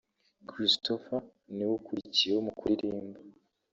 christopher niwe ukurikiyeho mu kuririmba